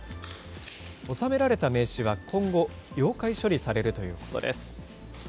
納められた名刺は今後、溶解処理されるということです。